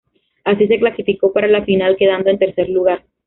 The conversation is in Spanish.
Así, se clasificó para la final, quedando en tercer lugar.